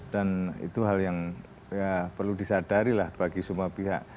dan itu hal yang ya perlu disadari lah bagi semua pihak